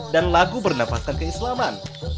dan lagu bernapaskan keistimewaan